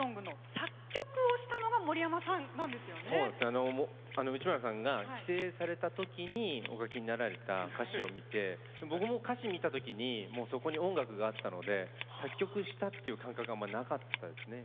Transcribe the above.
あの内村さんが帰省された時にお書きになられた歌詞を見て僕もう歌詞見た時にそこに音楽があったので作曲したっていう感覚があまりなかったですね。